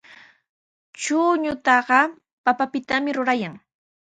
Chuñutaqa papapitami rurayan.